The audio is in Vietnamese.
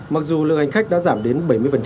mặc dù lượng hành khách đã giảm đến bảy mươi